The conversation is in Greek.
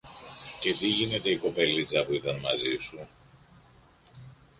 Και τι γίνεται η κοπελίτσα που ήταν μαζί σου;